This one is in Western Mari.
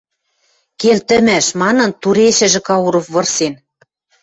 Келтӹмӓш!.. — манын, турешӹжӹ Кауров вырсен.